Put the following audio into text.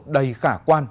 đầy khả quan